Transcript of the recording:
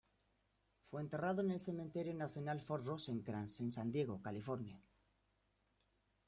Fue enterrado en el Cementerio Nacional Fort Rosecrans, en San Diego, California.